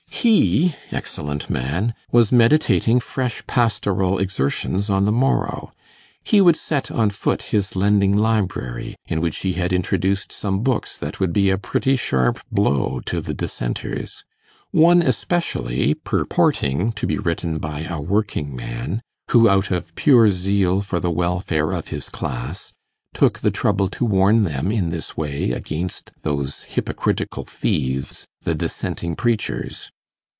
He, excellent man! was meditating fresh pastoral exertions on the morrow; he would set on foot his lending library; in which he had introduced some books that would be a pretty sharp blow to the Dissenters one especially, purporting to be written by a working man who, out of pure zeal for the welfare of his class, took the trouble to warn them in this way against those hypocritical thieves, the Dissenting preachers.